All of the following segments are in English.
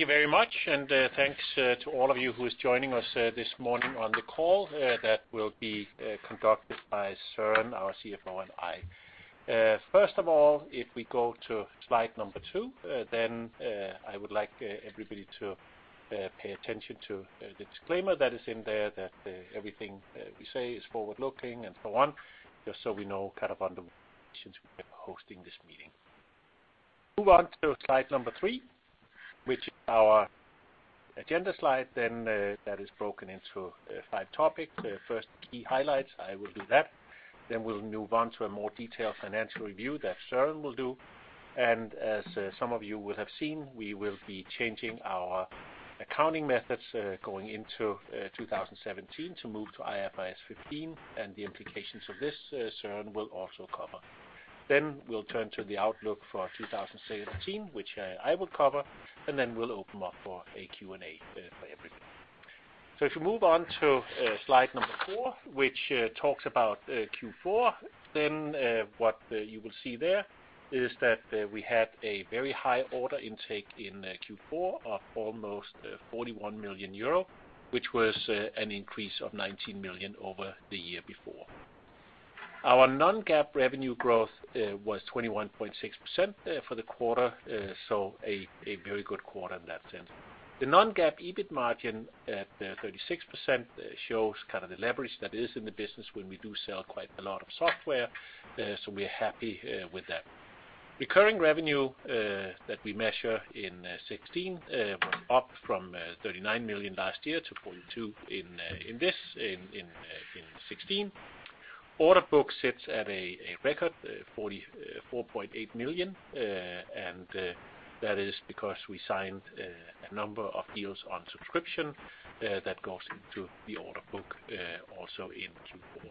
Thank you very much. Thanks to all of you who are joining us this morning on the call that will be conducted by Søren, our CFO, and I. First of all, if we go to slide two, I would like everybody to pay attention to the disclaimer that is in there that everything we say is forward-looking and so on, just so we know the motivations behind hosting this meeting. Move on to slide three, which is our agenda slide, that is broken into five topics. First, key highlights, I will do that. We'll move on to a more detailed financial review that Søren will do. As some of you will have seen, we will be changing our accounting methods going into 2017 to move to IFRS 15, and the implications of this, Søren will also cover. We'll turn to the outlook for 2017, which I will cover, and we'll open up for a Q&A for everybody. If you move on to slide four, which talks about Q4, what you will see there is that we had a very high order intake in Q4 of almost 41 million euro, which was an increase of 19 million over the year before. Our non-GAAP revenue growth was 21.6% for the quarter, a very good quarter in that sense. The non-GAAP EBIT margin at 36% shows the leverage that is in the business when we do sell quite a lot of software, we are happy with that. Recurring revenue that we measure in 2016 went up from 39 million last year to 42 million in 2016. Order book sits at a record 44.8 million, that is because we signed a number of deals on subscription that goes into the order book also in Q4.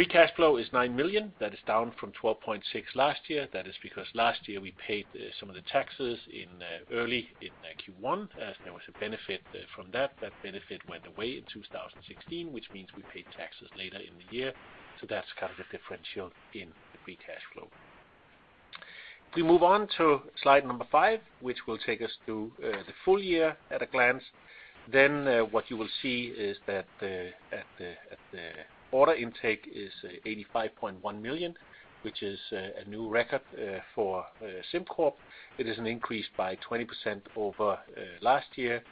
Free cash flow is 9 million. That is down from 12.6 million last year. That is because last year we paid some of the taxes early in Q1. There was a benefit from that. That benefit went away in 2016, which means we paid taxes later in the year. That's the differential in the free cash flow. If we move on to slide five, which will take us to the full year at a glance, what you will see is that the order intake is 85.1 million, which is a new record for SimCorp. It is an increase by 20% over last year.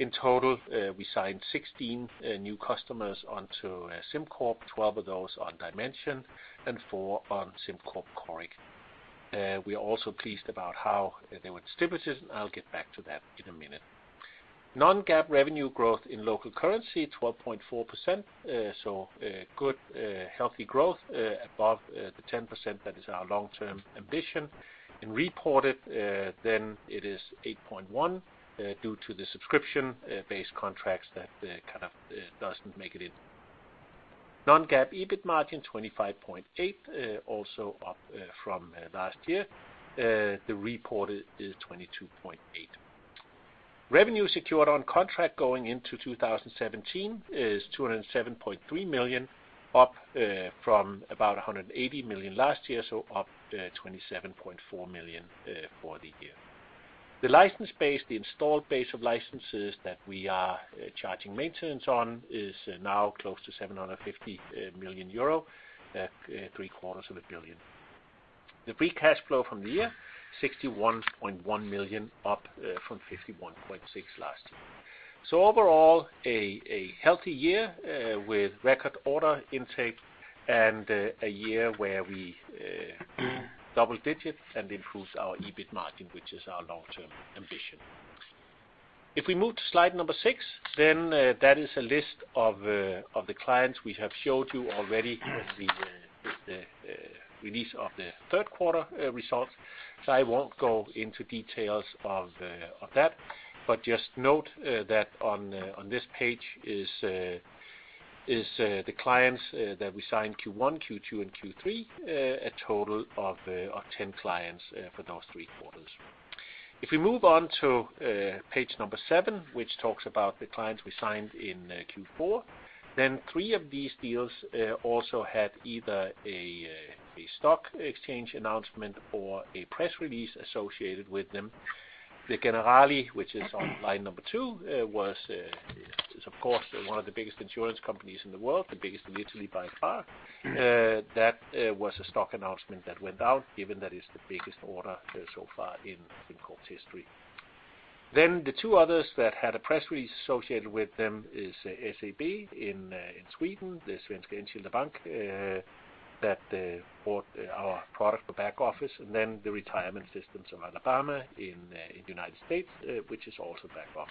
In total, we signed 16 new customers onto SimCorp, 12 of those on SimCorp Dimension and four on SimCorp Coric. We are also pleased about how they went. The non-GAAP EBIT margin, 25.8%, also up from last year. The reported is 22.8%. Revenue secured on contract going into 2017 is 207.3 million, up from about 180 million last year, up 27.4 million for the year. The license base, the installed base of licenses that we are charging maintenance on is now close to 750 million euro, three-quarters of a billion. The free cash flow from the year, 61.1 million, up from 51.6 million last year. Overall, a healthy year with record order intake and a year where we grew double digits and improved our EBIT margin, which is our long-term ambition. Moving to slide six, that is a list of the clients we have showed you already with the release of the third quarter results. I won't go into details of that, but just note that on this page is the clients that we signed Q1, Q2, and Q3, a total of 10 clients for those three quarters. Moving on to page seven, which talks about the clients we signed in Q4, three of these deals also had either a stock exchange announcement or a press release associated with them. Generali, which is on line two, was, of course, one of the biggest insurance companies in the world, the biggest in Italy by far. That was a stock announcement that went out given that it's the biggest order so far in SimCorp's history. The two others that had a press release associated with them is SEB in Sweden, the Skandinaviska Enskilda Banken, that bought our product for back office, and the Retirement Systems of Alabama in the U.S., which is also back office.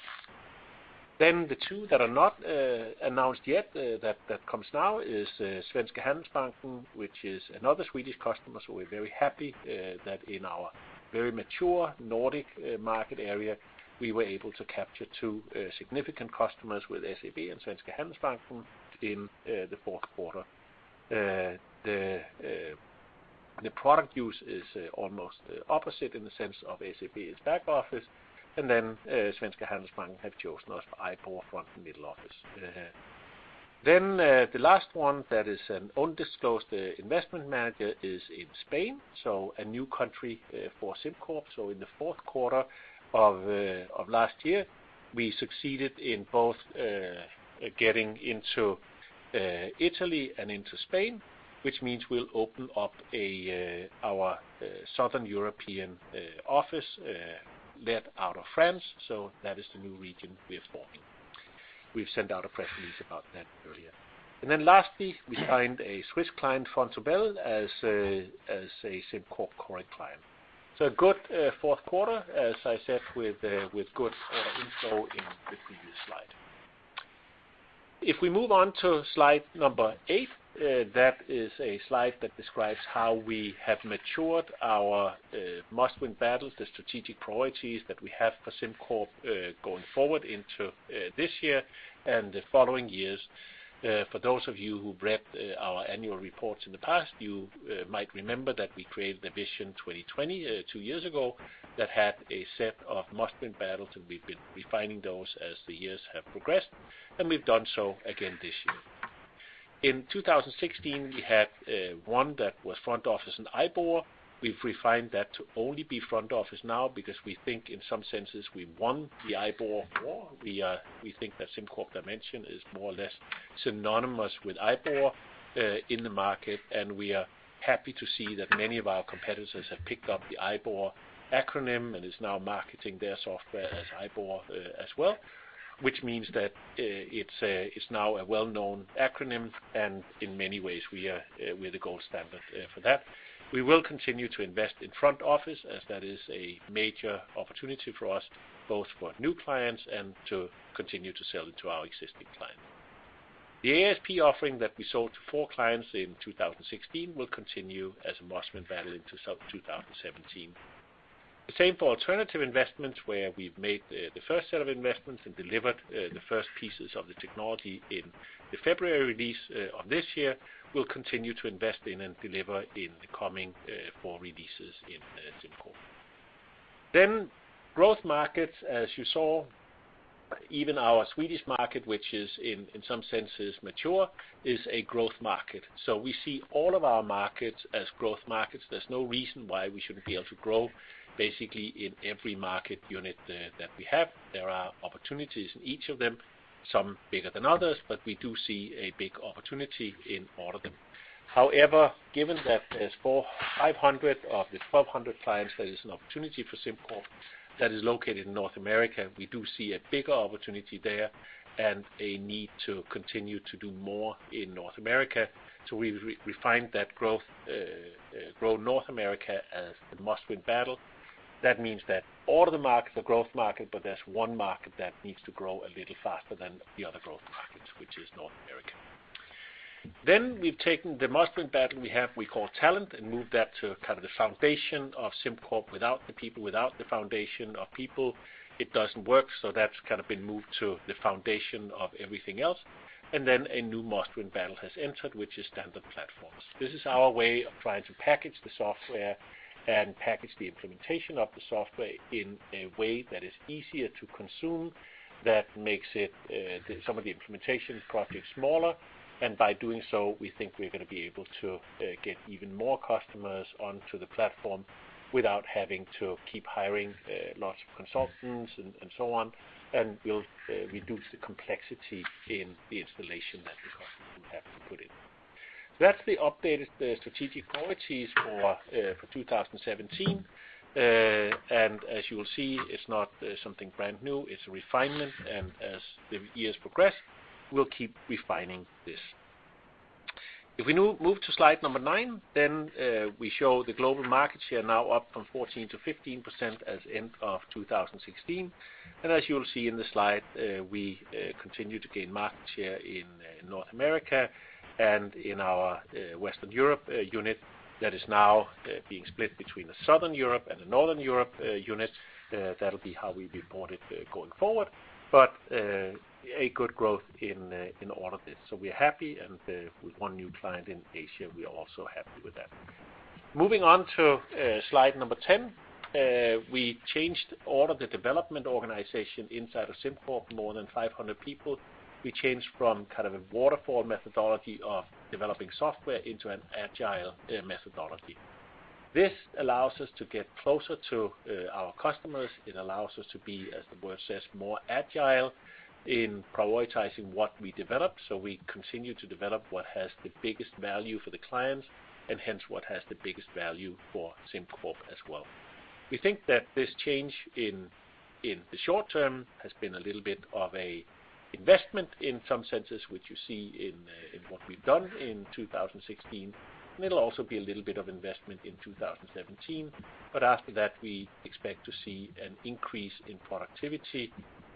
The two that are not announced yet that comes now is Svenska Handelsbanken, which is another Swedish customer, we're very happy that in our very mature Nordic market area, we were able to capture two significant customers with SEB and Svenska Handelsbanken in the fourth quarter. The product use is almost opposite in the sense of SEB is back office, Svenska Handelsbanken have chosen us for IBOR front and middle office. The last one that is an undisclosed investment manager is in Spain, a new country for SimCorp. In the fourth quarter of last year, we succeeded in both getting into Italy and into Spain, which means we'll open up our Southern European office there out of France. That is the new region we are forming. We've sent out a press release about that earlier. Lastly, we signed a Swiss client, Vontobel, as a SimCorp current client. A good fourth quarter, as I said, with good order inflow in the previous slide. Moving on to slide eight, that is a slide that describes how we have matured our must-win battles, the strategic priorities that we have for SimCorp going forward into this year and the following years. For those of you who've read our annual reports in the past, you might remember that we created the Vision 2020 two years ago that had a set of must-win battles, we've been refining those as the years have progressed, we've done so again this year. In 2016, we had one that was front office and IBOR. We've refined that to only be front office now because we think in some senses we won the IBOR war. We think that SimCorp Dimension is more or less synonymous with IBOR in the market, we are happy to see that many of our competitors have picked up the IBOR acronym and are now marketing their software as IBOR as well, which means that it's now a well-known acronym, in many ways we are the gold standard for that. We will continue to invest in front office as that is a major opportunity for us, both for new clients and to continue to sell into our existing clients. The ASP offering that we sold to 4 clients in 2016 will continue as a must-win battle into 2017. The same for alternative investments, where we've made the first set of investments and delivered the first pieces of the technology in the February release of this year. We'll continue to invest in and deliver in the coming 4 releases in SimCorp. Growth markets, as you saw, even our Swedish market, which is in some senses mature, is a growth market. We see all of our markets as growth markets. There's no reason why we shouldn't be able to grow basically in every market unit that we have. There are opportunities in each of them, some bigger than others, but we do see a big opportunity in all of them. However, given that there's 500 of the 1,200 clients that is an opportunity for SimCorp that is located in North America, we do see a bigger opportunity there and a need to continue to do more in North America. We find that grow North America as a must-win battle. That means that all of the markets are growth markets, but there's one market that needs to grow a little faster than the other growth markets, which is North America. We've taken the must-win battle we have, we call talent, and moved that to the foundation of SimCorp. Without the people, without the foundation of people, it doesn't work. That's been moved to the foundation of everything else. A new must-win battle has entered, which is standard platforms. This is our way of trying to package the software and package the implementation of the software in a way that is easier to consume, that makes some of the implementation projects smaller. By doing so, we think we're going to be able to get even more customers onto the platform without having to keep hiring lots of consultants and so on, and we'll reduce the complexity in the installation that the customer will have to put in. That's the updated strategic priorities for 2017. As you will see, it's not something brand new. It's a refinement, and as the years progress, we'll keep refining this. If we move to slide number nine, we show the global market share now up from 14% to 15% as end of 2016. As you will see in the slide, we continue to gain market share in North America and in our Western Europe unit that is now being split between the Southern Europe and the Northern Europe units. That'll be how we report it going forward. A good growth in all of this. We're happy, and with one new client in Asia, we are also happy with that. Moving on to slide number 10, we changed all of the development organization inside of SimCorp, more than 500 people. We changed from a waterfall methodology of developing software into an agile methodology. This allows us to get closer to our customers. It allows us to be, as the word says, more agile in prioritizing what we develop. We continue to develop what has the biggest value for the clients, and hence what has the biggest value for SimCorp as well. We think that this change in the short term has been a little bit of an investment in some senses, which you see in what we've done in 2016, and it'll also be a little bit of investment in 2017. But after that, we expect to see an increase in productivity,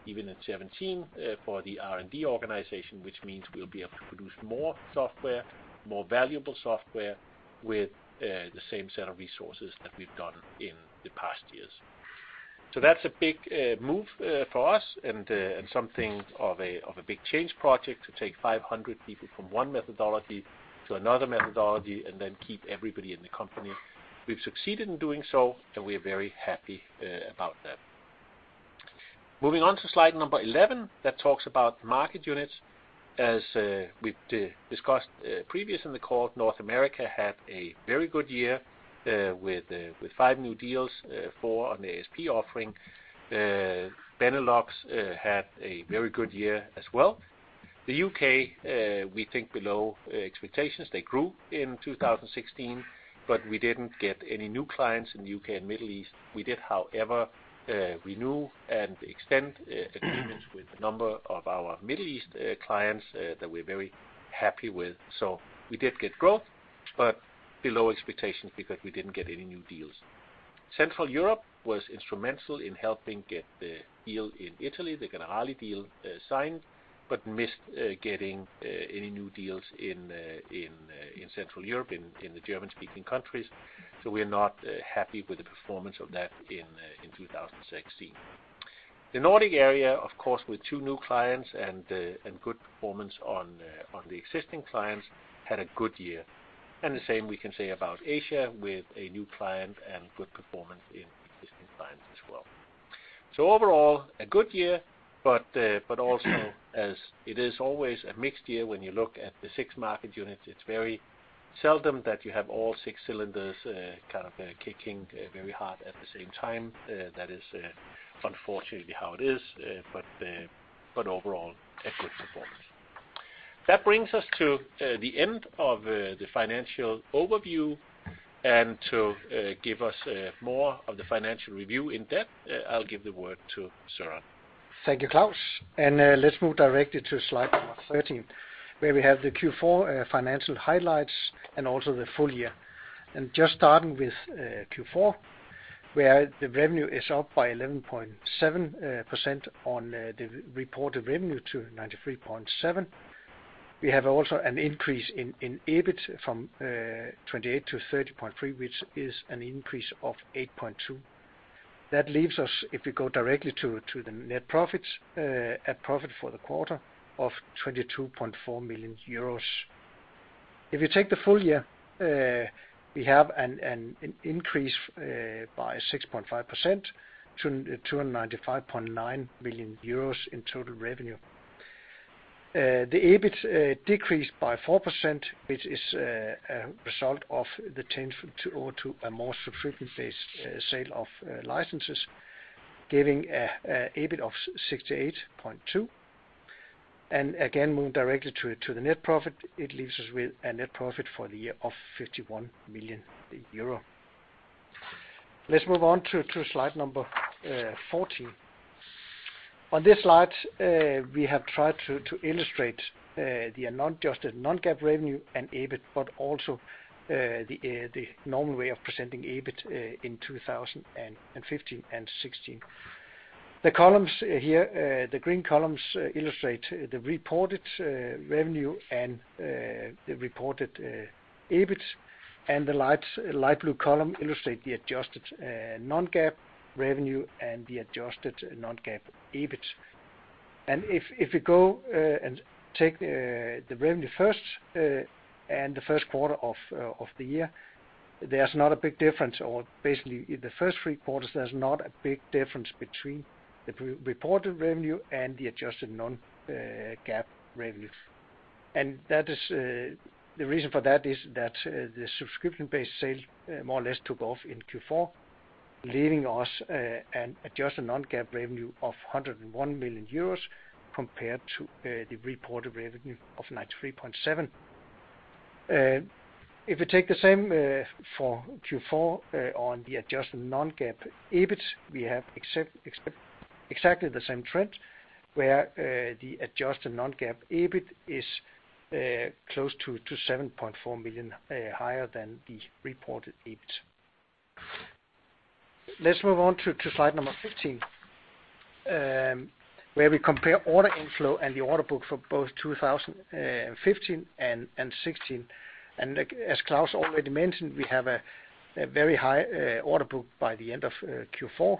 even in 2017, for the R&D organization, which means we'll be able to produce more software, more valuable software with the same set of resources that we've done in the past years. That's a big move for us and something of a big change project to take 500 people from one methodology to another methodology and then keep everybody in the company. We've succeeded in doing so, and we're very happy about that. Moving on to slide number 11, that talks about market units. As we've discussed previous in the call, North America had a very good year with five new deals, four on the ASP offering. Benelux had a very good year as well. The U.K., we think below expectations. They grew in 2016, but we didn't get any new clients in the U.K. and Middle East. We did, however, renew and extend agreements with a number of our Middle East clients that we're very happy with. We did get growth, but below expectations because we didn't get any new deals. Central Europe was instrumental in helping get the deal in Italy, the Generali deal, signed but missed getting any new deals in Central Europe in the German-speaking countries. We are not happy with the performance of that in 2016. The Nordic area, of course, with two new clients and good performance on the existing clients, had a good year. And the same we can say about Asia with a new client and good performance in existing clients as well. Overall, a good year, but also as it is always a mixed year when you look at the six market units, it's very seldom that you have all six cylinders kind of kicking very hard at the same time. That is unfortunately how it is, but overall, a good performance. That brings us to the end of the financial overview and to give us more of the financial review in depth, I'll give the word to Søren. Thank you, Klaus, and let's move directly to slide number 13, where we have the Q4 financial highlights and also the full year. And just starting with Q4, where the revenue is up by 11.7% on the reported revenue to 93.7 million. We have also an increase in EBIT from 28 million to 30.3 million, which is an increase of 8.2%. That leaves us, if we go directly to the net profits, at profit for the quarter of 22.4 million euros. If you take the full year, we have an increase by 6.5% to 295.9 million euros in total revenue. The EBIT decreased by 4%, which is a result of the change over to a more subscription-based sale of licenses, giving a EBIT of 68.2 million. And again, moving directly to the net profit, it leaves us with a net profit for the year of 51 million euro. Let's move on to slide number 14. On this slide, we have tried to illustrate the adjusted non-GAAP revenue and EBIT, but also the normal way of presenting EBIT in 2015 and 2016. The columns here, the green columns illustrate the reported revenue and the reported EBIT, and the light blue column illustrate the adjusted non-GAAP revenue and the adjusted non-GAAP EBIT. If you go and take the revenue first and the first quarter of the year, there's not a big difference. Basically, in the first three quarters, there's not a big difference between the reported revenue and the adjusted non-GAAP revenues. The reason for that is that the subscription-based sale more or less took off in Q4, leaving us an adjusted non-GAAP revenue of 101 million euros compared to the reported revenue of 93.7. If you take the same for Q4 on the adjusted non-GAAP EBIT, we have exactly the same trend where the adjusted non-GAAP EBIT is close to 7.4 million higher than the reported EBIT. Let's move on to slide number 15, where we compare order inflow and the order book for both 2015 and 2016. As Klaus already mentioned, we have a very high order book by the end of Q4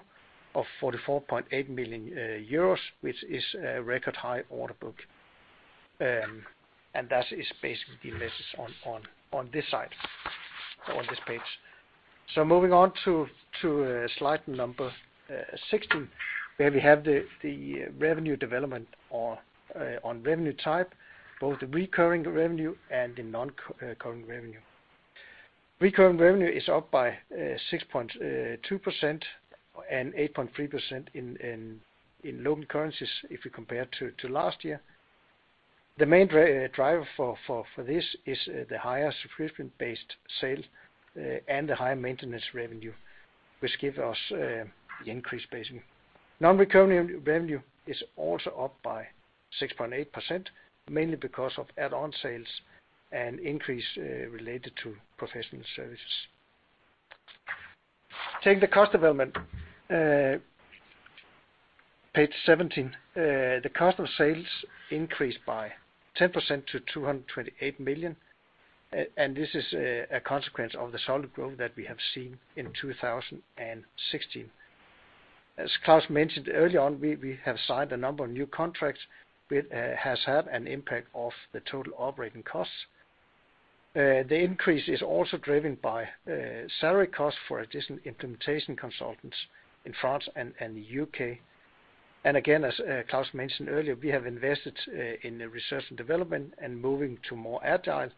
of 44.8 million euros, which is a record high order book. That is basically the message on this slide or on this page. Moving on to slide number 16, where we have the revenue development on revenue type, both the recurring revenue and the non-recurring revenue. Recurring revenue is up by 6.2% and 8.3% in local currencies if you compare to last year. The main driver for this is the higher subscription-based sales and the high maintenance revenue, which give us the increase basically. Non-recurring revenue is also up by 6.8%, mainly because of add-on sales and increase related to professional services. Take the cost development. Page 17, the cost of sales increased by 10% to 228 million, This is a consequence of the solid growth that we have seen in 2016. As Klaus mentioned earlier on, we have signed a number of new contracts, which has had an impact of the total operating costs. The increase is also driven by salary costs for additional implementation consultants in France and the U.K. Again, as Klaus mentioned earlier, we have invested in research and development and moving to more agile,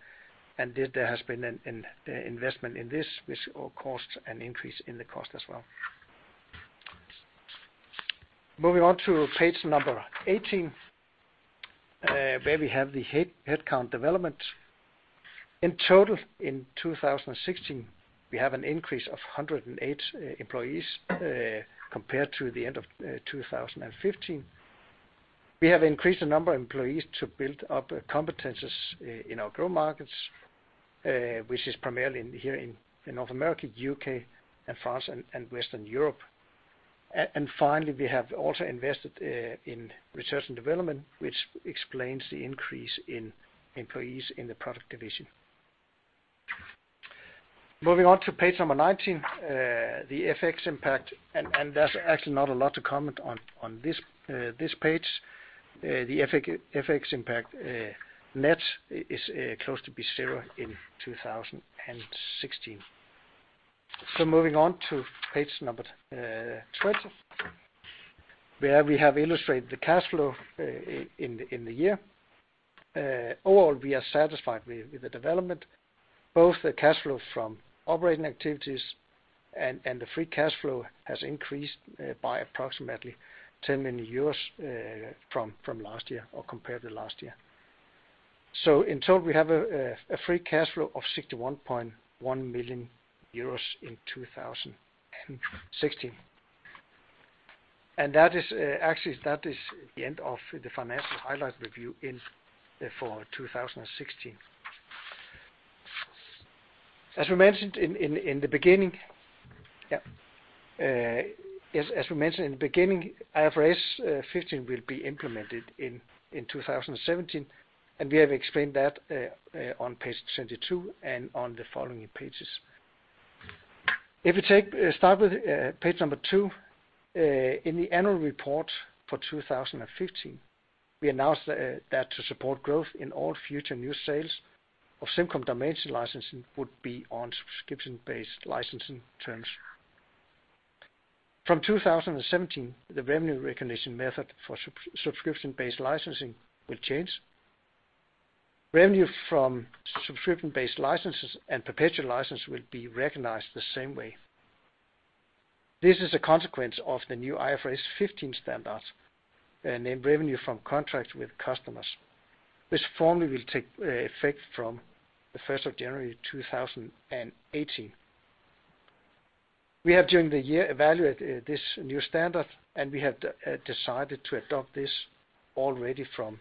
and there has been an investment in this, which caused an increase in the cost as well. Moving on to page number 18, where we have the headcount development. In total, in 2016, we have an increase of 108 employees compared to the end of 2015. We have increased the number of employees to build up competencies in our growth markets, which is primarily here in North America, U.K., and France, and Western Europe. Finally, we have also invested in research and development, which explains the increase in employees in the product division. Moving on to page number 19, the FX impact. There's actually not a lot to comment on this page. The FX impact net is close to be zero in 2016. Moving on to page number 20, where we have illustrated the cash flow in the year. Overall, we are satisfied with the development. Both the cash flow from operating activities and the free cash flow has increased by approximately 10 million euros from last year or compared to last year. In total, we have a free cash flow of 61.1 million euros in 2016. That is the end of the financial highlight review for 2016. As we mentioned in the beginning, IFRS 15 will be implemented in 2017, and we have explained that on page 22 and on the following pages. If you start with page 2, in the annual report for 2015, we announced that to support growth in all future new sales of SimCorp Dimension licensing would be on subscription-based licensing terms. From 2017, the revenue recognition method for subscription-based licensing will change. Revenue from subscription-based licenses and perpetual license will be recognized the same way. This is a consequence of the new IFRS 15 standards, named Revenue from Contracts with Customers, which formally will take effect from January 1, 2018. We have, during the year, evaluated this new standard, and we have decided to adopt this already from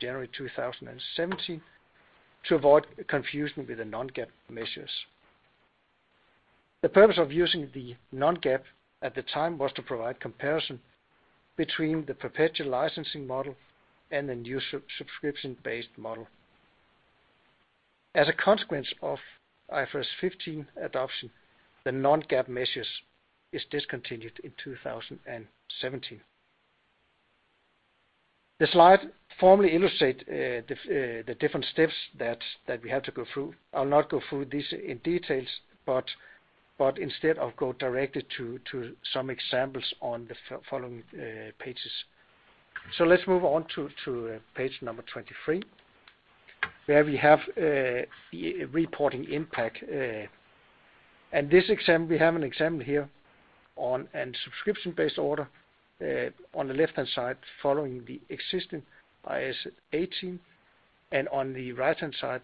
January 1, 2017 to avoid confusion with the non-GAAP measures. The purpose of using the non-GAAP at the time was to provide comparison between the perpetual licensing model and the new subscription-based model. As a consequence of IFRS 15 adoption, the non-GAAP measures is discontinued in 2017. The slide formally illustrates the different steps that we have to go through. I'll not go through this in details, but instead I'll go directly to some examples on the following pages. Let's move on to page 23, where we have the reporting impact. We have an example here on a subscription-based order on the left-hand side, following the existing IAS 18, and on the right-hand side,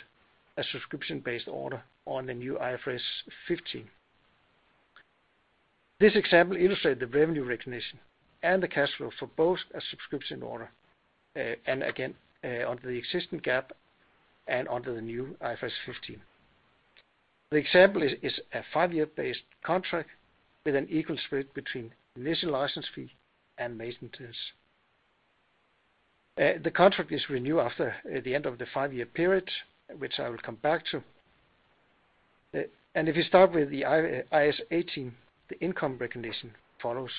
a subscription-based order on the new IFRS 15. This example illustrates the revenue recognition and the cash flow for both a subscription order, and again, under the existing GAAP and under the new IFRS 15. The example is a five-year based contract with an equal split between initial license fee and maintenance. The contract is renewed after the end of the five-year period, which I will come back to. If you start with the IAS 18, the income recognition follows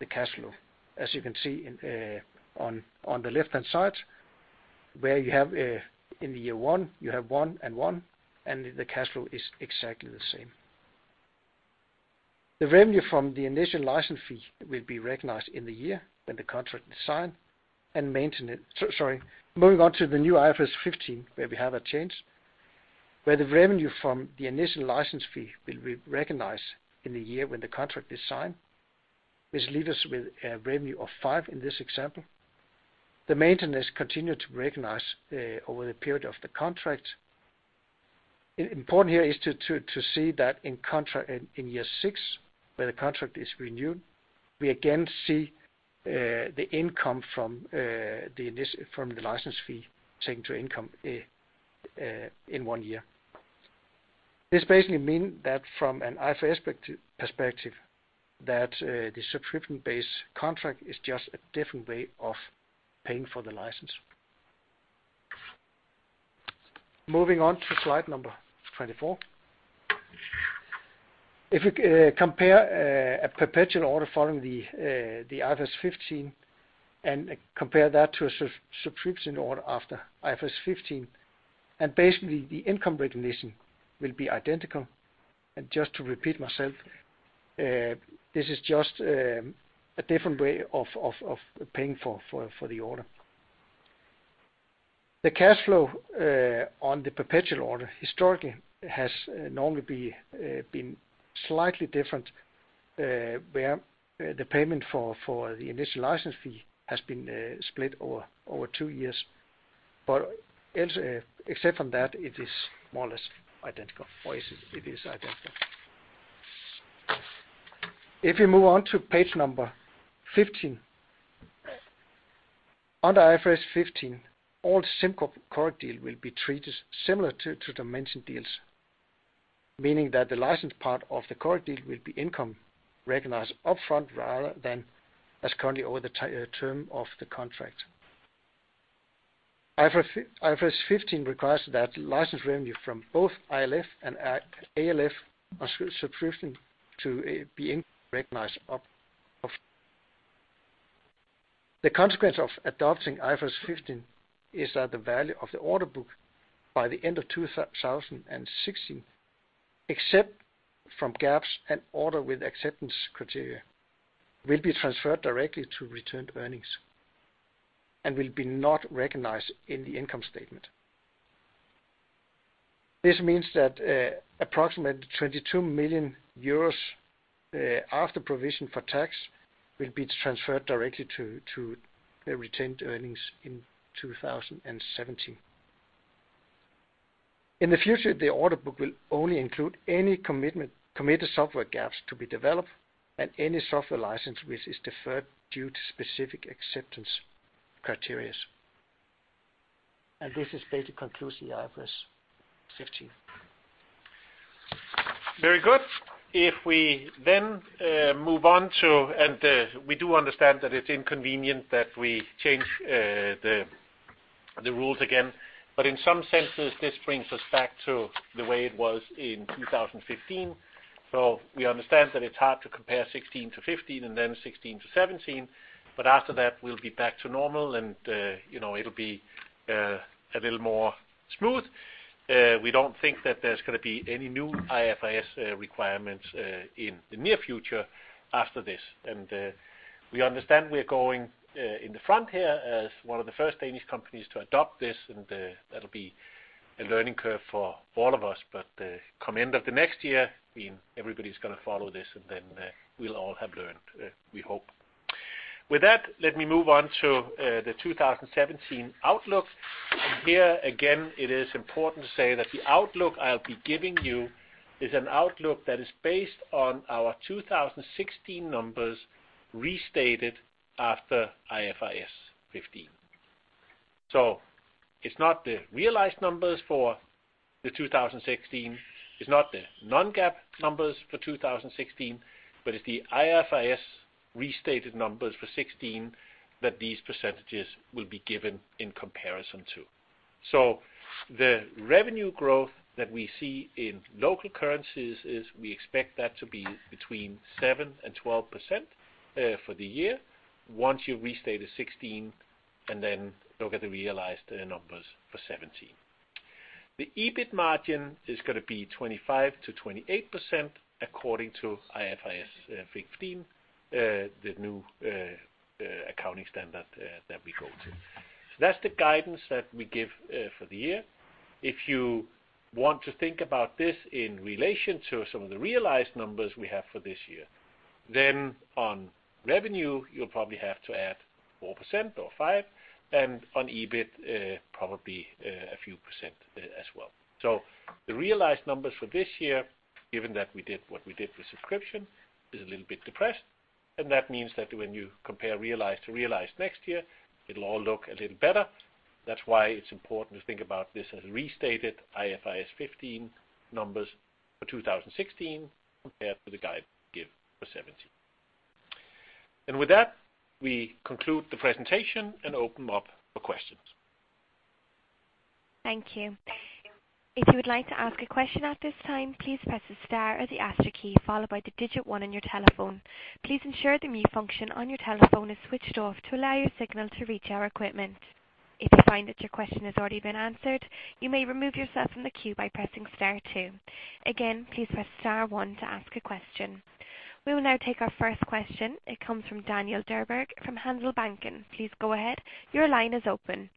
the cash flow, as you can see on the left-hand side, where in year one, you have 1 and 1, and the cash flow is exactly the same. The revenue from the initial license fee will be recognized in the year when the contract is signed and maintained. Moving on to the new IFRS 15, where we have a change, where the revenue from the initial license fee will be recognized in the year when the contract is signed. This leaves us with a revenue of 5 in this example. The maintenance continued to be recognized over the period of the contract. Important here is to see that in year six, where the contract is renewed, we again see the income from the license fee taken to income in one year. From an IFRS perspective, the subscription-based contract is just a different way of paying for the license. Moving on to slide 24. If we compare a perpetual order following IFRS 15 and compare that to a subscription order after IFRS 15, basically the income recognition will be identical. Just to repeat myself, this is just a different way of paying for the order. The cash flow on the perpetual order historically has normally been slightly different, where the payment for the initial license fee has been split over two years. Except from that, it is more or less identical, or it is identical. If you move on to page number 15. Under IFRS 15, all SimCorp Coric deal will be treated similar to the mentioned deals, meaning that the license part of the Coric deal will be income recognized up front rather than as currently over the term of the contract. IFRS 15 requires that license revenue from both ILF and ALF on subscription to be recognized up front. The consequence of adopting IFRS 15 is that the value of the order book by the end of 2016, except from gaps and order with acceptance criteria, will be transferred directly to retained earnings and will not be recognized in the income statement. This means that approximately 22 million euros after provision for tax will be transferred directly to retained earnings in 2017. In the future, the order book will only include any committed software gaps to be developed and any software license which is deferred due to specific acceptance criteria. This basically concludes the IFRS 15. Very good. If we then move on to, we do understand that it's inconvenient that we change the rules again, but in some senses, this brings us back to the way it was in 2015. We understand that it's hard to compare 2016 to 2015 and then 2016 to 2017, but after that, we'll be back to normal and it'll be a little more smooth. We don't think that there's going to be any new IFRS requirements in the near future after this. We understand we're going in the front here as one of the first Danish companies to adopt this, and that'll be a learning curve for all of us. Come end of the next year, everybody's going to follow this, and then we'll all have learned, we hope. With that, let me move on to the 2017 outlook. Here again, it is important to say that the outlook I'll be giving you is an outlook that is based on our 2016 numbers restated after IFRS 15. It's not the realized numbers for the 2016, it's not the non-GAAP numbers for 2016, but it's the IFRS restated numbers for 2016 that these percentages will be given in comparison to. The revenue growth that we see in local currencies is we expect that to be between 7%-12% for the year, once you restate the 2016 and then look at the realized numbers for 2017. The EBIT margin is going to be 25%-28% according to IFRS 15, the new accounting standard that we go to. That's the guidance that we give for the year. Thinking about this in relation to some of the realized numbers we have for this year, on revenue, you'll probably have to add 4% or 5%, and on EBIT, probably a few percent there as well. The realized numbers for this year, given that we did what we did with subscription, is a little bit depressed, and that means that when you compare realized to realized next year, it'll all look a little better. That's why it's important to think about this as restated IFRS 15 numbers for 2016 compared to the guide we give for 2017. With that, we conclude the presentation and open up for questions. Thank you. You would like to ask a question at this time, please press the star or the asterisk key followed by the digit 1 on your telephone. Please ensure the mute function on your telephone is switched off to allow your signal to reach our equipment. You find that your question has already been answered, you may remove yourself from the queue by pressing star 2. Please press star 1 to ask a question. We will now take our first question. It comes from Daniel Djurberg from Handelsbanken. Please go ahead. Your line is open.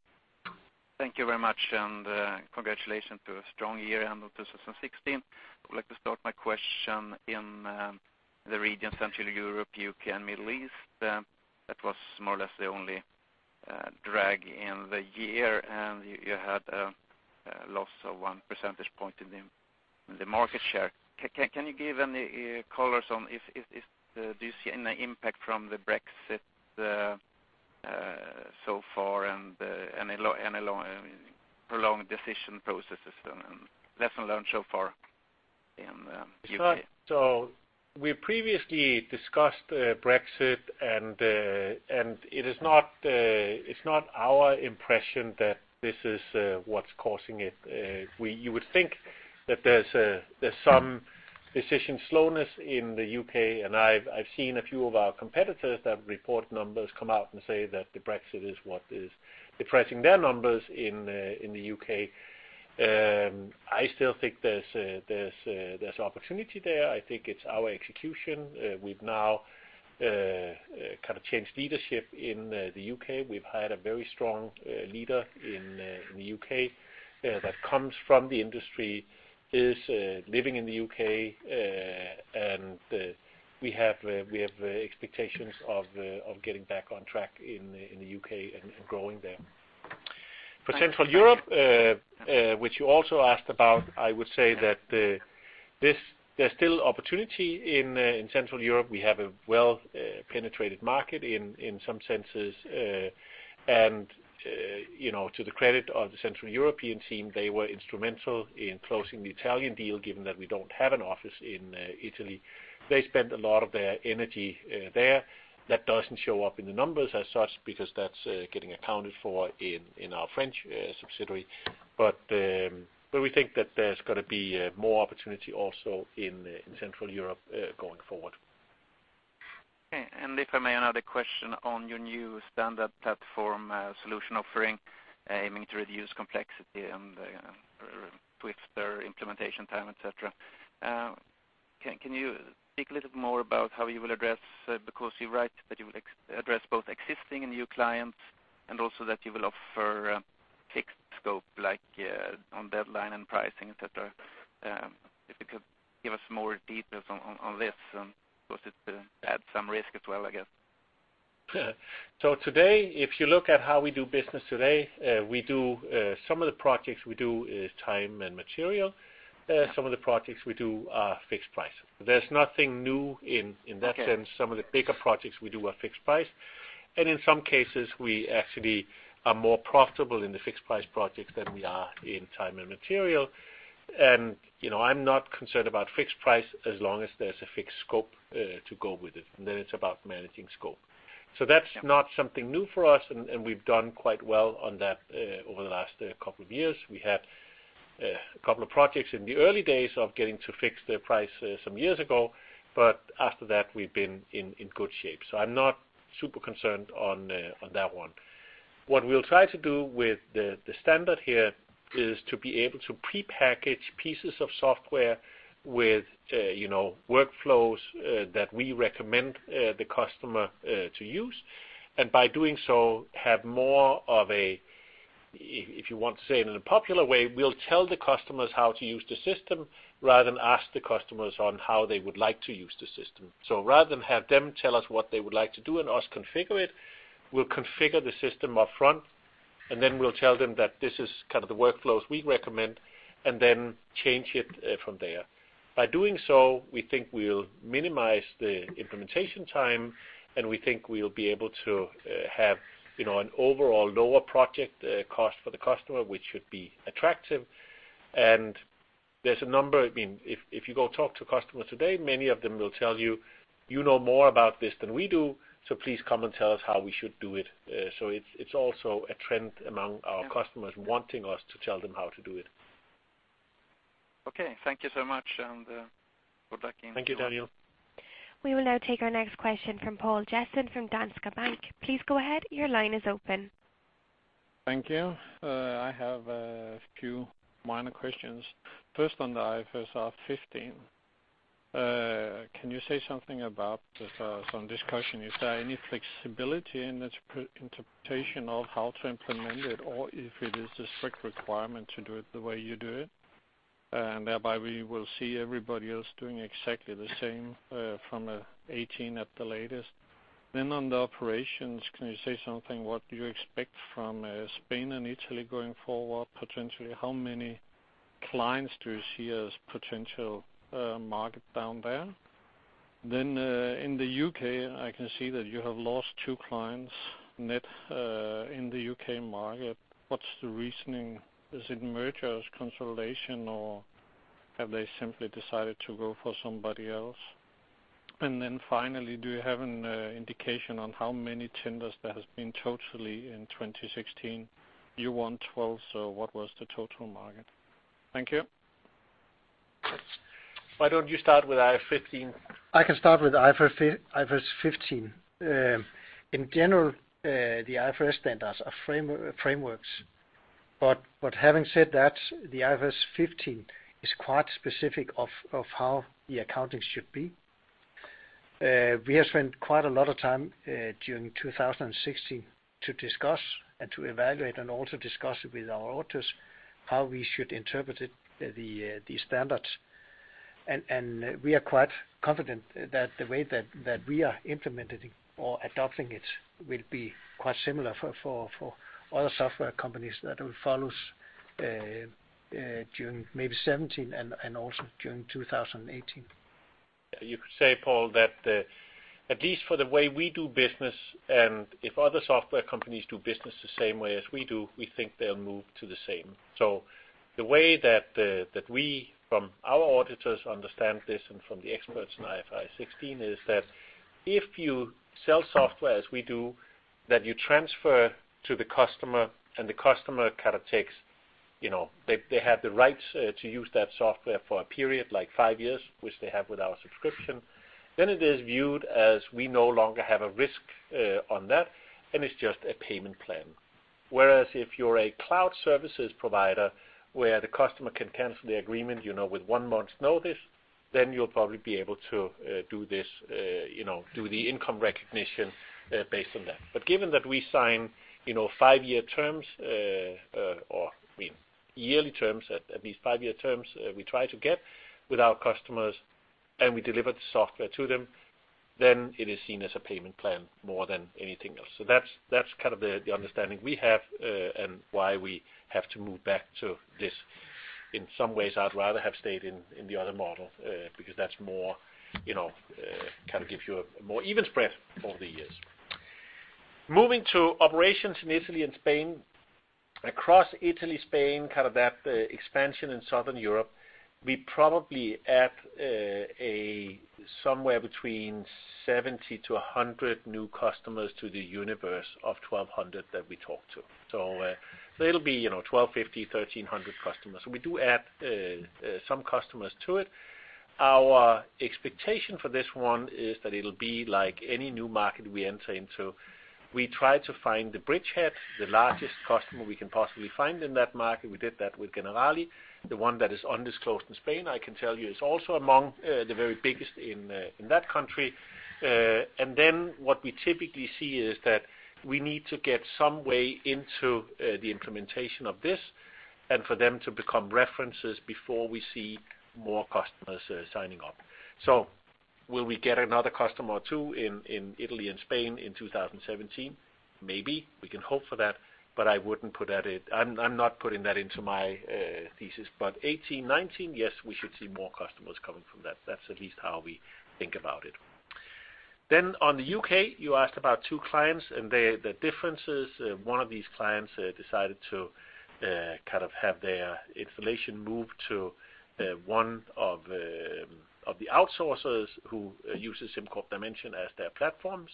Thank you very much. Congratulations to a strong year end of 2016. I would like to start my question in the region Central Europe, U.K., and Middle East. That was more or less the only drag in the year, and you had a loss of one percentage point in the market share. Can you give any colors on if you see any impact from the Brexit so far and any prolonged decision processes and lesson learned so far in the U.K.? We previously discussed Brexit. It's not our impression that this is what's causing it. You would think that there's some decision slowness in the U.K., and I've seen a few of our competitors that report numbers come out and say that Brexit is what is depressing their numbers in the U.K. I still think there's opportunity there. I think it's our execution. We've now changed leadership in the U.K. We've hired a very strong leader in the U.K. that comes from the industry, is living in the U.K. We have expectations of getting back on track in the U.K. growing there. Central Europe, which you also asked about, I would say that there's still opportunity in Central Europe. We have a well-penetrated market in some senses. To the credit of the Central European team, they were instrumental in closing the Italian deal, given that we don't have an office in Italy. They spent a lot of their energy there. That doesn't show up in the numbers as such because that's getting accounted for in our French subsidiary. We think that there's going to be more opportunity also in Central Europe going forward. Okay. If I may, another question on your new standard platform solution offering, aiming to reduce complexity and with their implementation time, et cetera. Can you speak a little bit more about how you will address, because you write that you will address both existing and new clients, and also that you will offer a fixed scope on deadline and pricing, et cetera. If you could give us more details on this, it will add some risk as well, I guess. Today, if you look at how we do business today, some of the projects we do is time and material. Some of the projects we do are fixed price. There's nothing new in that sense. Okay. Some of the bigger projects we do are fixed price, in some cases, we actually are more profitable in the fixed-price projects than we are in time and material. I'm not concerned about fixed price as long as there's a fixed scope to go with it, then it's about managing scope. That's not something new for us, we've done quite well on that over the last couple of years. We had a couple of projects in the early days of getting to fix the price some years ago, after that, we've been in good shape. I'm not super concerned on that one. What we'll try to do with the standard here is to be able to prepackage pieces of software with workflows that we recommend the customer to use. By doing so, have more of a, if you want to say it in a popular way, we'll tell the customers how to use the system rather than ask the customers on how they would like to use the system. Rather than have them tell us what they would like to do and us configure it, we'll configure the system up front, and then we'll tell them that this is kind of the workflows we recommend, and then change it from there. By doing so, we think we'll minimize the implementation time, and we think we'll be able to have an overall lower project cost for the customer, which should be attractive. There's a number, if you go talk to a customer today, many of them will tell you, "You know more about this than we do, so please come and tell us how we should do it." It's also a trend among our customers wanting us to tell them how to do it. Okay. Thank you so much, and good luck in 2023. Thank you, Daniel. We will now take our next question from Poul Jensen from Danske Bank. Please go ahead. Your line is open. Thank you. I have a few minor questions. First, on the IFRS 15. Can you say something about some discussion? Is there any flexibility in interpretation of how to implement it, or if it is a strict requirement to do it the way you do it? Thereby, we will see everybody else doing exactly the same from 2018 at the latest. On the operations, can you say something, what do you expect from Spain and Italy going forward? Potentially, how many clients do you see as potential market down there? In the U.K., I can see that you have lost two clients net in the U.K. market. What's the reasoning? Is it mergers, consolidation, or have they simply decided to go for somebody else? Finally, do you have an indication on how many tenders there has been totally in 2016? You won 12, what was the total market? Thank you. Why don't you start with IFRS 15? I can start with IFRS 15. In general, the IFRS standards are frameworks. Having said that, the IFRS 15 is quite specific of how the accounting should be. We have spent quite a lot of time during 2016 to discuss and to evaluate and also discuss with our auditors how we should interpret these standards. We are quite confident that the way that we are implementing or adopting it will be quite similar for other software companies that will follow us during maybe 2017 and also during 2018. You could say, Poul, that, at least for the way we do business. If other software companies do business the same way as we do, we think they'll move to the same. The way that we, from our auditors, understand this, and from the experts in IFRS 16, is that if you sell software as we do, that you transfer to the customer, and the customer has the rights to use that software for a period of 5 years, which they have with our subscription, then it is viewed as we no longer have a risk on that, and it's just a payment plan. Whereas if you're a cloud services provider where the customer can cancel the agreement, with one month's notice, then you'll probably be able to do the income recognition based on that. Given that we sign 5-year terms, or yearly terms, at least 5-year terms, we try to get with our customers. We deliver the software to them, then it is seen as a payment plan more than anything else. That's the understanding we have, and why we have to move back to this. In some ways, I'd rather have stayed in the other model, because that gives you a more even spread over the years. Moving to operations in Italy and Spain. Across Italy, Spain, that expansion in Southern Europe, we probably add somewhere between 70 to 100 new customers to the universe of 1,200 that we talk to. It'll be 1,250, 1,300 customers. We do add some customers to it. Our expectation for this one is that it'll be like any new market we enter into. We try to find the bridgehead, the largest customer we can possibly find in that market. We did that with Generali. The one that is undisclosed in Spain, I can tell you, is also among the very biggest in that country. What we typically see is that we need to get some way into the implementation of this and for them to become references before we see more customers signing up. Will we get another customer or two in Italy and Spain in 2017? Maybe. We can hope for that, but I'm not putting that into my thesis. 2018, 2019, yes, we should see more customers coming from that. That's at least how we think about it. On the U.K., you asked about two clients and the differences. One of these clients decided to have their installation moved to one of the outsourcers who uses SimCorp Dimension as their platform.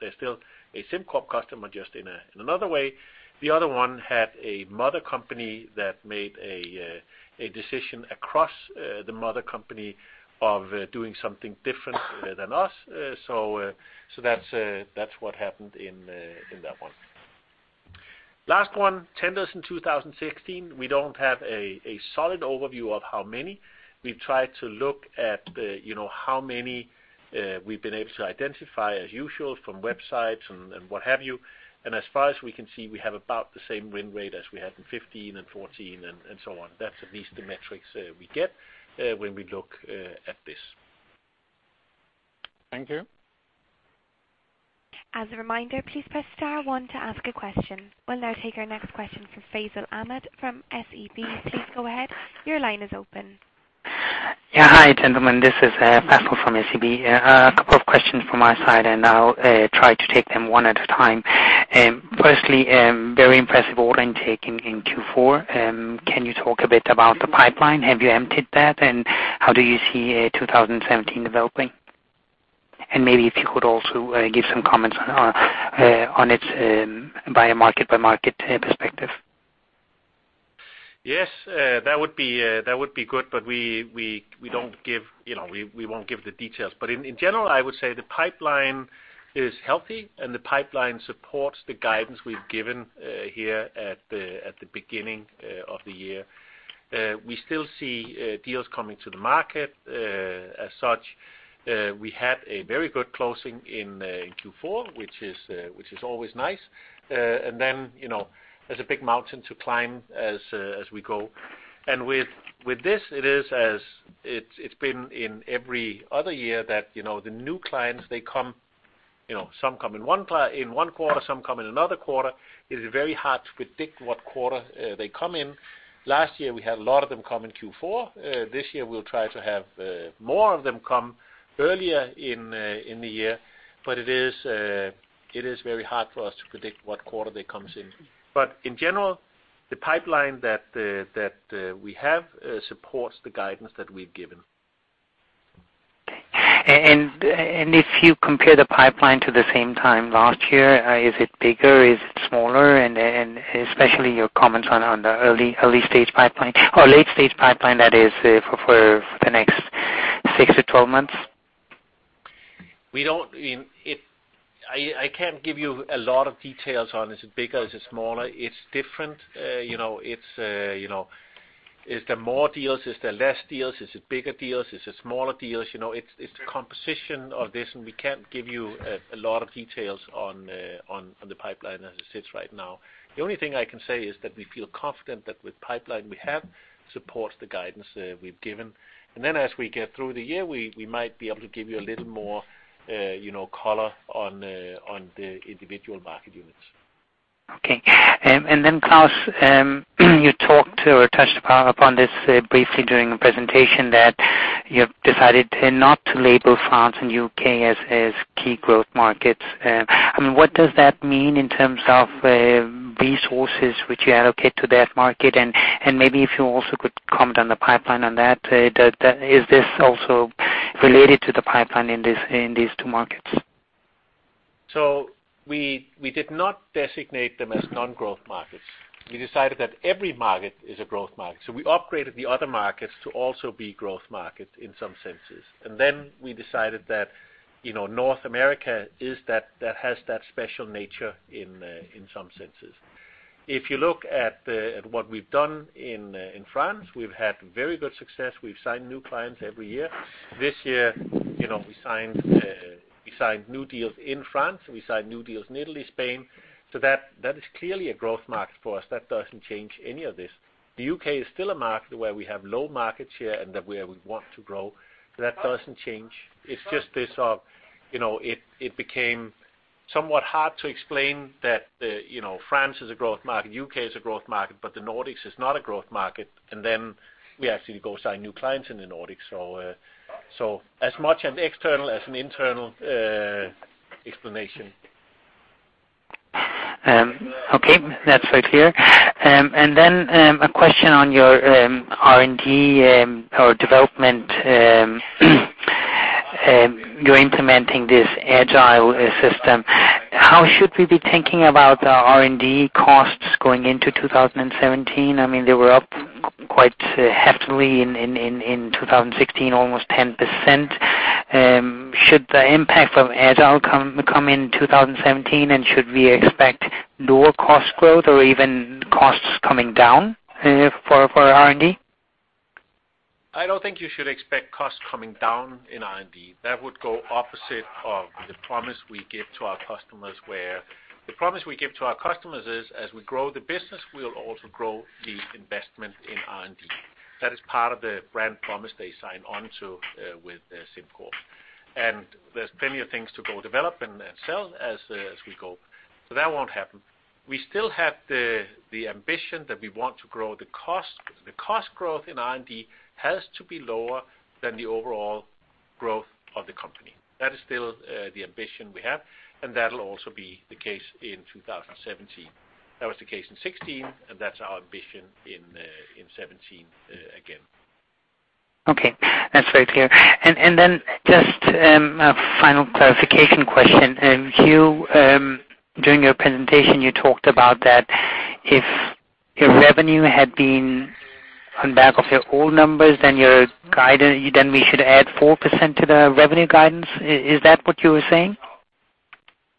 They're still a SimCorp customer, just in another way. The other one had a mother company that made a decision across the mother company of doing something different than us. That's what happened in that one. Last one, tenders in 2016. We don't have a solid overview of how many. We've tried to look at how many we've been able to identify as usual from websites and what have you. As far as we can see, we have about the same win rate as we had in 2015 and 2014, and so on. That's at least the metrics we get when we look at this. Thank you. As a reminder, please press star one to ask a question. We'll now take our next question from Faisal Ahmed from SEB. Please go ahead. Your line is open. Hi, gentlemen. This is Faisal from SEB. A couple of questions from my side. I'll try to take them one at a time. Firstly, very impressive order intake in Q4. Can you talk a bit about the pipeline? Have you emptied that, and how do you see 2017 developing? Maybe if you could also give some comments on it by a market by market perspective. Yes. That would be good, but we won't give the details. In general, I would say the pipeline is healthy and the pipeline supports the guidance we've given here at the beginning of the year. We still see deals coming to the market as such. We had a very good closing in Q4, which is always nice. Then, there's a big mountain to climb as we go. With this, it's been in every other year that the new clients, some come in one quarter, some come in another quarter. It is very hard to predict what quarter they come in. Last year, we had a lot of them come in Q4. This year, we'll try to have more of them come earlier in the year. It is very hard for us to predict what quarter they come in. In general, the pipeline that we have supports the guidance that we've given. If you compare the pipeline to the same time last year, is it bigger? Is it smaller? Especially your comments on the early-stage pipeline or late-stage pipeline that is for the next six to 12 months. I can't give you a lot of details on is it bigger, is it smaller? It's different. Is there more deals? Is there less deals? Is it bigger deals? Is it smaller deals? It's the composition of this, and we can't give you a lot of details on the pipeline as it sits right now. The only thing I can say is that we feel confident that with pipeline we have, supports the guidance we've given. Then as we get through the year, we might be able to give you a little more color on the individual market units. Okay. Klaus, you talked or touched upon this briefly during the presentation, that you have decided not to label France and U.K. as key growth markets. What does that mean in terms of resources which you allocate to that market? Maybe if you also could comment on the pipeline on that. Is this also related to the pipeline in these two markets? We did not designate them as non-growth markets. We decided that every market is a growth market. We upgraded the other markets to also be growth markets in some senses. We decided that North America has that special nature in some senses. If you look at what we've done in France, we've had very good success. We've signed new clients every year. This year, we signed new deals in France, we signed new deals in Italy, Spain. That is clearly a growth market for us. That doesn't change any of this. The U.K. is still a market where we have low market share and where we want to grow. That doesn't change. It's just it became somewhat hard to explain that France is a growth market, U.K. is a growth market, but the Nordics is not a growth market, and then we actually go sign new clients in the Nordics. As much an external as an internal explanation. Okay, that's very clear. A question on your R&D or development. You're implementing this Agile system. How should we be thinking about R&D costs going into 2017? They were up quite heftily in 2016, almost 10%. Should the impact of Agile come in 2017, and should we expect lower cost growth or even costs coming down for R&D? I don't think you should expect costs coming down in R&D. That would go opposite of the promise we give to our customers, where the promise we give to our customers is as we grow the business, we'll also grow the investment in R&D. That is part of the brand promise they sign on to with SimCorp. There's plenty of things to go develop and sell as we go. That won't happen. We still have the ambition that we want to grow the cost. The cost growth in R&D has to be lower than the overall growth of the company. That is still the ambition we have, and that'll also be the case in 2017. That was the case in 2016, and that's our ambition in 2017 again. Okay, that's very clear. Just a final clarification question. During your presentation, you talked about that if your revenue had been on back of your old numbers, then we should add 4% to the revenue guidance. Is that what you were saying?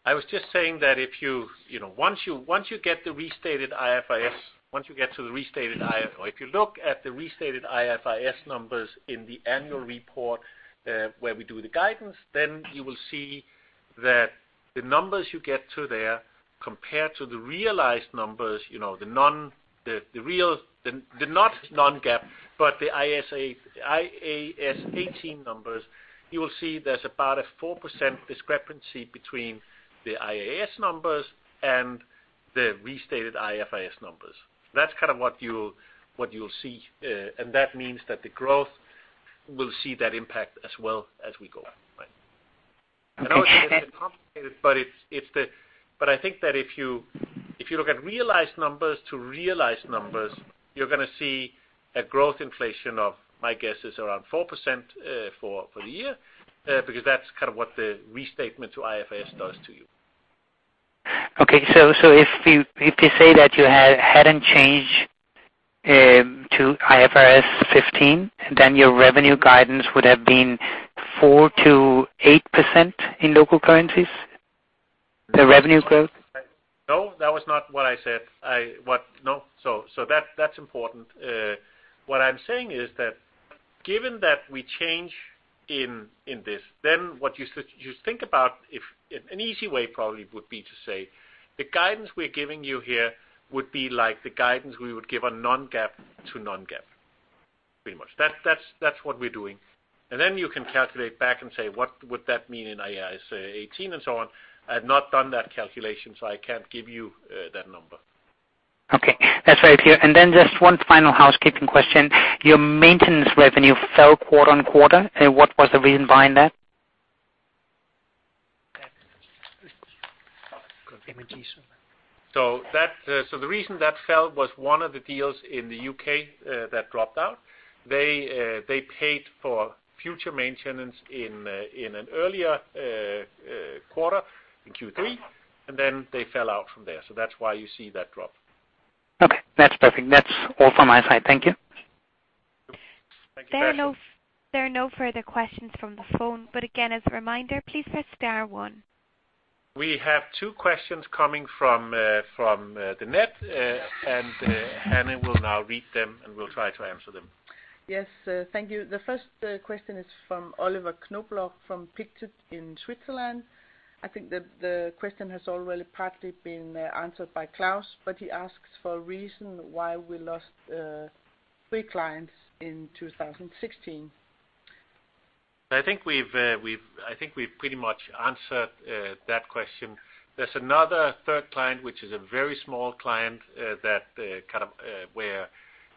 I was just saying that if you look at the restated IFRS numbers in the annual report where we do the guidance, then you will see that the numbers you get to there compared to the realized numbers, the not non-GAAP, but the IAS 18 numbers, you will see there's about a 4% discrepancy between the IAS numbers and the restated IFRS numbers. That's kind of what you'll see. That means that the growth will see that impact as well as we go. Right? Okay. I know it gets complicated, I think that if you look at realized numbers to realized numbers, you're going to see a growth inflation of, my guess is around 4% for the year. That's kind of what the restatement to IFRS does to you. Okay. If you say that you hadn't changed to IFRS 15, then your revenue guidance would have been 4%-8% in local currencies? The revenue growth? No, that was not what I said. No. That's important. What I'm saying is that given that we change in this, then what you think about, an easy way probably would be to say the guidance we're giving you here would be like the guidance we would give a non-GAAP to non-GAAP. Pretty much. That's what we're doing. Then you can calculate back and say what would that mean in IAS 18 and so on. I've not done that calculation, so I can't give you that number. Okay. That's very clear. Then just one final housekeeping question. Your maintenance revenue fell quarter-on-quarter. What was the reason behind that? The reason that fell was one of the deals in the U.K. that dropped out. They paid for future maintenance in an earlier quarter, in Q3, and then they fell out from there. That's why you see that drop. Okay. That's perfect. That's all from my side. Thank you. Thank you, Sebastian. There are no further questions from the phone. Again, as a reminder, please press star one. We have two questions coming from the net, and Hanne will now read them, and we'll try to answer them. Yes. Thank you. The first question is from Oliver Knobloch from Pictet in Switzerland. I think the question has already partly been answered by Klaus, he asks for a reason why we lost three clients in 2016. I think we've pretty much answered that question. There's another third client, which is a very small client, where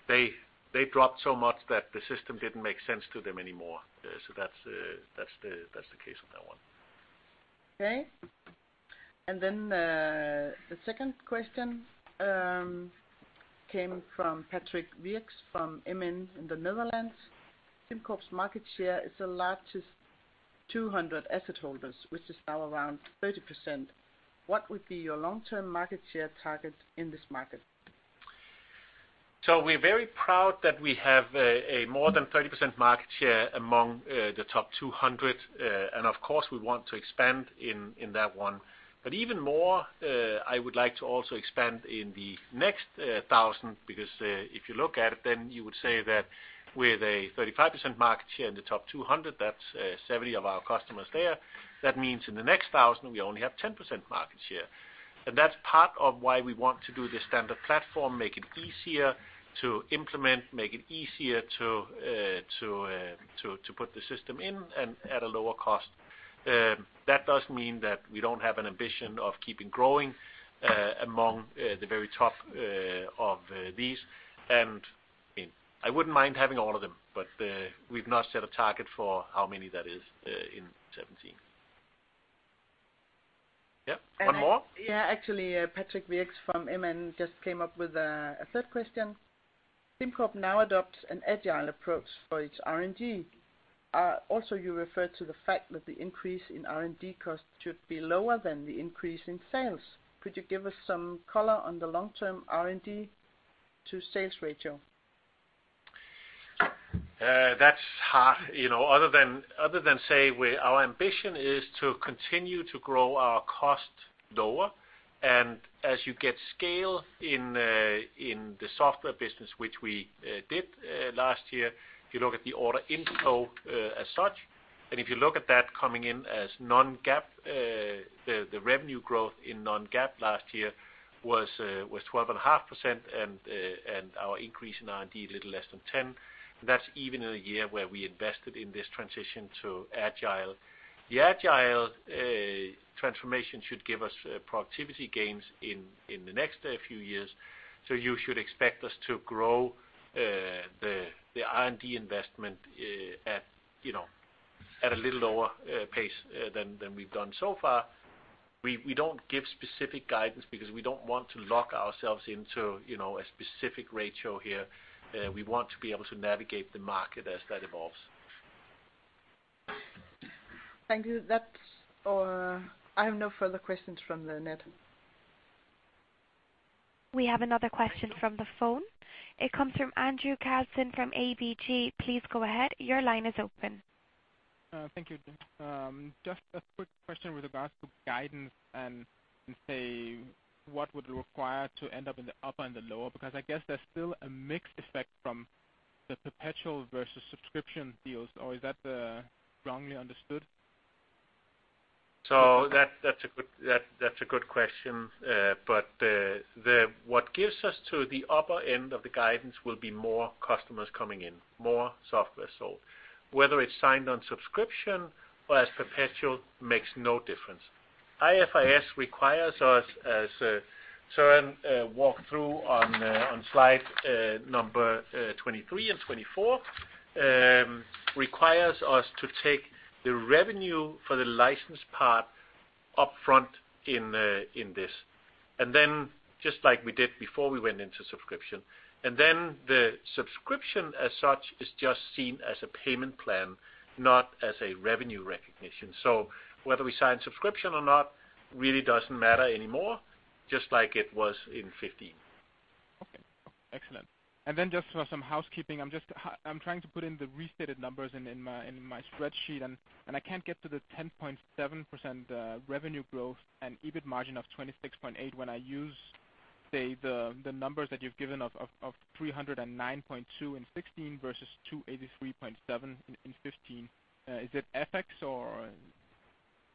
they dropped so much that the system didn't make sense to them anymore. That's the case on that one. Okay. The second question came from Patrick Wierckx from MN in the Netherlands. SimCorp's market share is the largest 200 asset holders, which is now around 30%. What would be your long-term market share target in this market? We're very proud that we have a more than 30% market share among the top 200. Of course, we want to expand in that one. Even more, I would like to also expand in the next 1,000, because if you look at it, then you would say that with a 35% market share in the top 200, that's 70 of our customers there. That means in the next 1,000, we only have 10% market share. That's part of why we want to do the standard platform, make it easier to implement, make it easier to put the system in and at a lower cost. That does mean that we don't have an ambition of keeping growing among the very top of these, and I wouldn't mind having all of them, but we've not set a target for how many that is in 2017. Yeah. One more? Yeah, actually, Patrick Wierckx from MN just came up with a third question. SimCorp now adopts an agile approach for its R&D. Also, you referred to the fact that the increase in R&D costs should be lower than the increase in sales. Could you give us some color on the long-term R&D to sales ratio? That's hard. Other than say, our ambition is to continue to grow our cost lower, as you get scale in the software business, which we did last year, if you look at the order inflow as such, if you look at that coming in as the revenue growth in non-GAAP last year was 12.5%, our increase in R&D, a little less than 10. That's even in a year where we invested in this transition to agile. The agile transformation should give us productivity gains in the next few years. You should expect us to grow the R&D investment at a little lower pace than we've done so far. We don't give specific guidance because we don't want to lock ourselves into a specific ratio here. We want to be able to navigate the market as that evolves. Thank you. I have no further questions from the net. We have another question from the phone. It comes from Andrew Katzen from ABG. Please go ahead. Your line is open. Thank you. Just a quick question with regards to guidance. What would require to end up in the upper and the lower, because I guess there's still a mixed effect from the perpetual versus subscription deals, or is that wrongly understood? That's a good question. What gets us to the upper end of the guidance will be more customers coming in, more software sold. Whether it's signed on subscription or as perpetual makes no difference. IFRS requires us, as Søren walked through on slide number 23 and 24, requires us to take the revenue for the license part up front in this. Just like we did before we went into subscription. The subscription as such is just seen as a payment plan, not as a revenue recognition. Whether we sign subscription or not really doesn't matter anymore, just like it was in 2015. Okay. Excellent. Just for some housekeeping, I'm trying to put in the restated numbers in my spreadsheet, and I can't get to the 10.7% revenue growth and EBIT margin of 26.8% when I use, say, the numbers that you've given of 309.2 in 2016 versus 283.7 in 2015. Is it FX or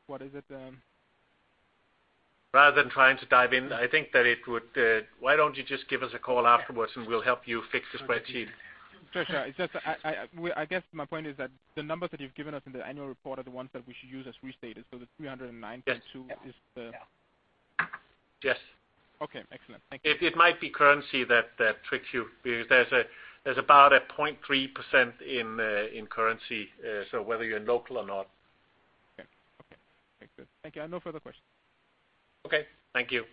what is it? Rather than trying to dive in, why don't you just give us a call afterwards and we'll help you fix the spreadsheet? Sure. I guess my point is that the numbers that you've given us in the annual report are the ones that we should use as restated. The 309.2 is the- Yes. Okay. Excellent. Thank you. It might be currency that tricks you, because there's about a 0.3% in currency, so whether you're local or not. Okay. Makes sense. Thank you. I have no further questions. Okay. Thank you.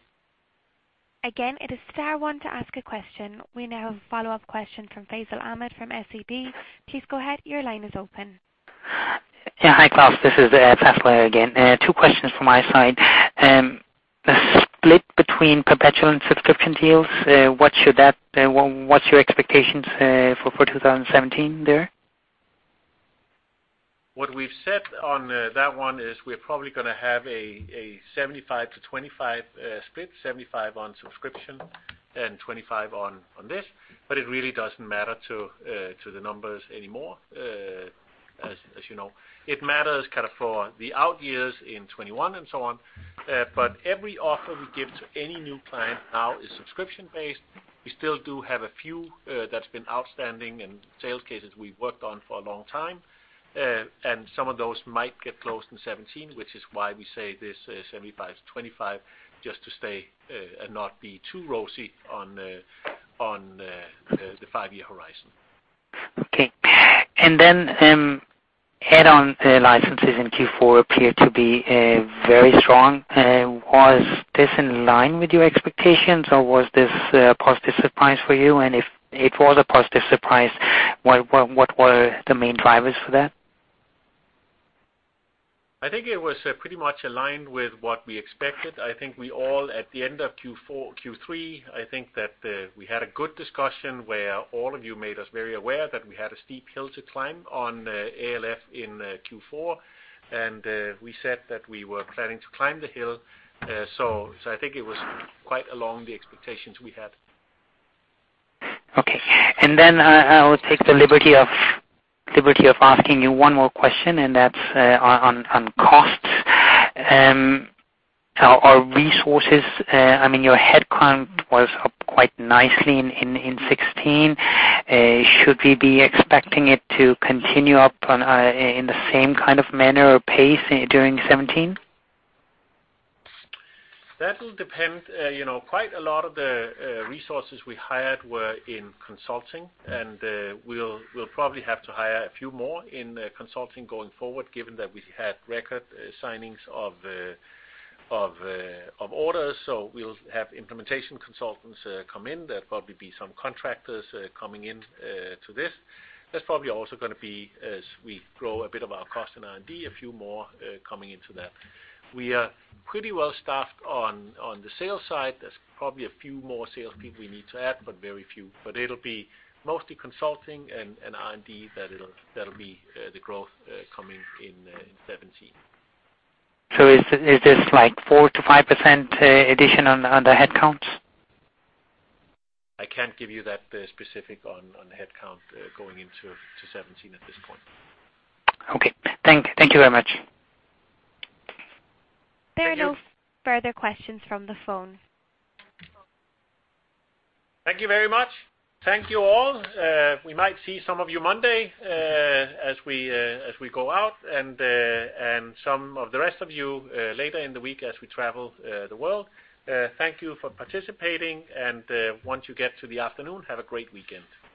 It is star one to ask a question. We now have a follow-up question from Faisal Ahmed from SEB. Please go ahead. Your line is open. Yeah. Hi, Klaus. This is Faisal again. Two questions from my side. The split between perpetual and subscription deals, what's your expectations for 2017 there? What we've said on that one is we're probably going to have a 75-25 split, 75 on subscription and 25 on this. It really doesn't matter to the numbers anymore, as you know. It matters for the out years in 2021 and so on. Every offer we give to any new client now is subscription-based. We still do have a few that's been outstanding and sales cases we've worked on for a long time. Some of those might get closed in 2017, which is why we say this 75, 25, just to not be too rosy on the five-year horizon. Okay. Add-on licenses in Q4 appear to be very strong. Was this in line with your expectations, or was this a positive surprise for you? If it was a positive surprise, what were the main drivers for that? I think it was pretty much aligned with what we expected. I think we all, at the end of Q3, we had a good discussion where all of you made us very aware that we had a steep hill to climb on ALF in Q4. We said that we were planning to climb the hill. I think it was quite along the expectations we had. Okay. I'll take the liberty of asking you one more question, and that's on costs. Your headcount was up quite nicely in 2016. Should we be expecting it to continue up in the same kind of manner or pace during 2017? That will depend. Quite a lot of the resources we hired were in consulting. We'll probably have to hire a few more in consulting going forward given that we had record signings of orders. We'll have implementation consultants come in. There'll probably be some contractors coming in to this. There's probably also going to be, as we grow a bit of our cost in R&D, a few more coming into that. We are pretty well-staffed on the sales side. There's probably a few more salespeople we need to add, but very few. It'll be mostly consulting and R&D. That'll be the growth coming in 2017. Is this like 4%-5% addition on the headcounts? I can't give you that specific on headcount going into 2017 at this point. Okay. Thank you very much. There are no further questions from the phone. Thank you very much. Thank you all. We might see some of you Monday, as we go out, and some of the rest of you later in the week as we travel the world. Thank you for participating. Once you get to the afternoon, have a great weekend.